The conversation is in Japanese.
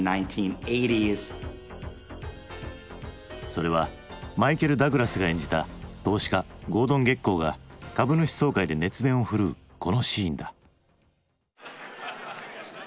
それはマイケル・ダグラスが演じた投資家ゴードン・ゲッコーが株主総会で熱弁をふるうこのシーンだ。